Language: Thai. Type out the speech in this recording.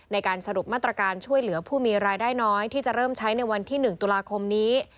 ในการสรุปมาตรการช่วยเหลือผู้มีรายได้น้อยที่จะเริ่มใช้ในวันที่๑ตุลาคมนี้